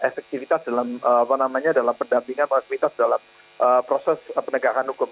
efektivitas dalam pendampingan fasilitas dalam proses penegakan hukum